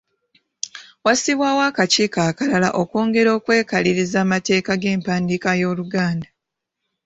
Wassibwawo akakiiko akalala okwongera okwekaliriza amateeka g’empandiika y’Oluganda.